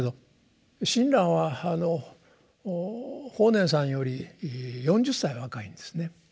親鸞は法然さんより４０歳若いんですね。